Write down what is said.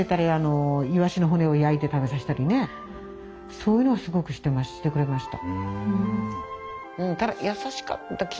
そういうのはすごくしてくれました。